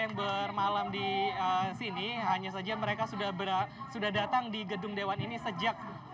yang bermalam di sini hanya saja mereka sudah berat sudah datang di gedung dewan ini sejak